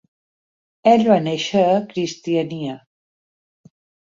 Ell va néixer a Kristiania.